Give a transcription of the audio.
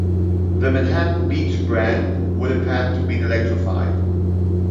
The Manhattan Beach Branch would have had to been electrified.